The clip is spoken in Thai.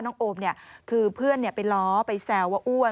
น้องโอมคือเพื่อนไปล้อไปแสวว่าอ้วน